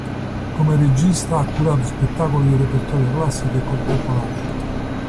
Come regista ha curato spettacoli del repertorio classico e contemporaneo.